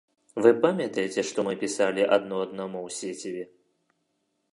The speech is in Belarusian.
Вы памятаеце, што мы пісалі адно аднаму ў сеціве?